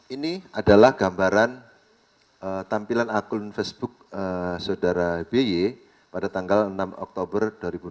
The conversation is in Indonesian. ini adalah gambaran tampilan akun facebook saudara by pada tanggal enam oktober dua ribu dua puluh